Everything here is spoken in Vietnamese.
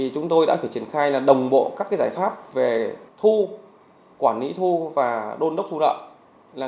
chúng tôi đã phải triển khai đồng bộ các giải pháp về thu quản lý thu và đôn đốc thu nợ